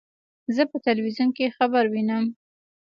زه په ټلویزیون کې خبر وینم.